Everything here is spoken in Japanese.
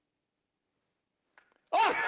あっ！